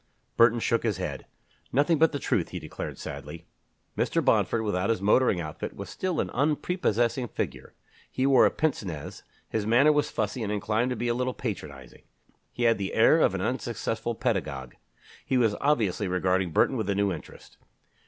Burton shook his head. "Nothing but the truth," he declared sadly. Mr. Bomford, without his motoring outfit, was still an unprepossessing figure. He wore a pince nez; his manner was fussy and inclined to be a little patronizing. He had the air of an unsuccessful pedagogue. He was obviously regarding Burton with a new interest.